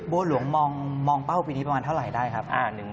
บัวหลวงมองเป้าปีนี้ประมาณเท่าไหร่ได้ครับ